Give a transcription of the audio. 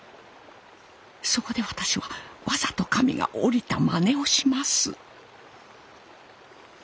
そこで私はわざと神が降りたまねをします。